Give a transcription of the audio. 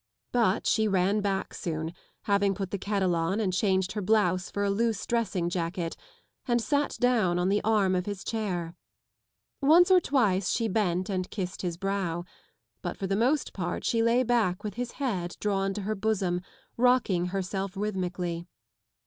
But she ran back soon, having put the kettle on and changed her blouse for a loose dressings acket, and sat down on the ftrm of his chair. Once or twice she bent and kissed his brow, but for the most part she lay back with his head drawn to her bosom, rocking herself rhythmically.